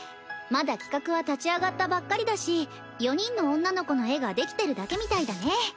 まだ企画は立ち上がったばっかりだし４人の女の子の絵が出来てるだけみたいだね。